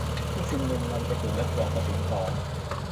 ผู้ชุมนุมนำกระสุนและปลอกกระสุนของ